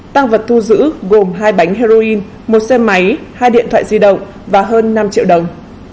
tăng vật thu giữ gồm hai bánh heroin một xe máy hai điện thoại di động và hơn năm triệu đồng